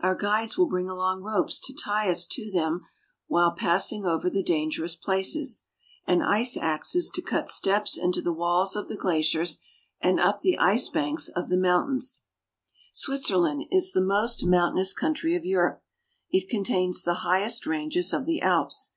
Our guides will bring along ropes to tie us to them while passing over the dangerous places, and ice axes to cut steps into the walls of the glaciers and up the ice banks of the mountains. 249 250 SWITZERLAND. Switzerland is the most mountainous country of Europe. It contains the highest ranges of the Alps.